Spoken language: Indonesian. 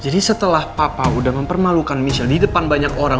jadi setelah papa udah mempermalukan michelle di depan banyak orang